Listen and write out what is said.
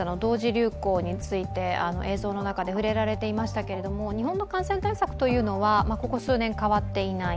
流行について映像の中で触れられていましたけれども日本の感染対策はここ数年、変わっていない。